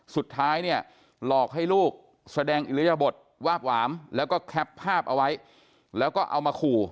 สุดท้ายเนี่ยหลอกให้ลูกแสดงอิริยบทวาบหวามแล้วก็แคปภาพเอาไว้แล้วก็เอามาขู่